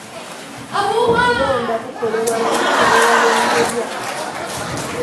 Okulonda kukolebwa mu bifo ewalonderwa.